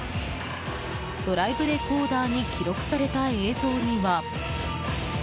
ドライブレコーダーに記録された映像には。